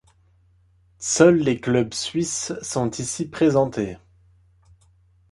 Seuls les clubs suisses sont ici présentés.